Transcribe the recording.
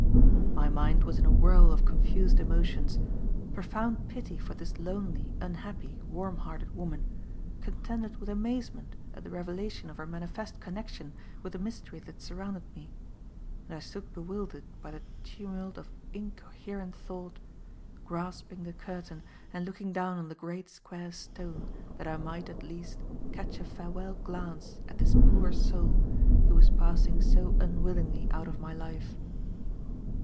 My mind was in a whirl of confused emotions. Profound pity for this lonely, unhappy, warm hearted woman contended with amazement at the revelation of her manifest connection with the mystery that surrounded me; and I stood bewildered by the tumult of incoherent thought, grasping the curtain and looking down on the great square stone that I might, at least, catch a farewell glance at this poor soul who was passing so unwillingly out of my life.